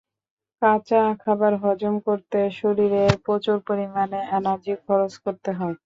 কাঁচা খাবার হজম করতে শরীরের প্রচুর পরিমাণ এনার্জি খরচ করতে হয়।